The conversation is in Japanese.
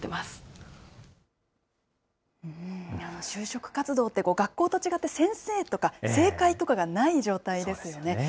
就職活動って、学校と違って、先生とか正解とかがない状態ですよね。